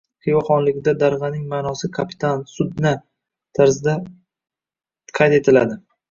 Xiva xonligida darg‘aning ma’nosi «kapitan sudna» tarzida qayd etiladi.